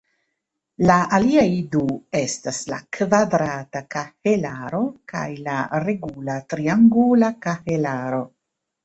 La aliaj du estas la kvadrata kahelaro kaj la regula triangula kahelaro.